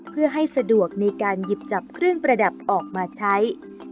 เพื่อให้สะดวกในการหยิบจับเครื่องประดับออกมาใช้